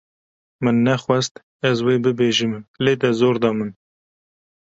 Min nexwast ez wê bibêjim lê te zor da min.